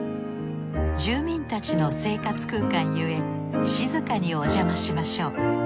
住民たちの生活空間ゆえ静かにおじゃましましょう。